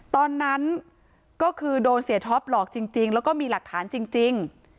ตอนนั้นก็คือโดนเสียท็อปหลอกจริงแล้วก็มีหลักฐานจริง